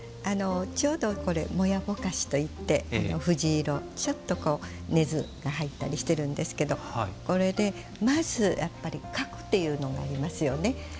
ちょうどもやぼかしといって藤色、ちょっと、ねずが入っていたりするんですがこれでまず格っていうのがありますよね。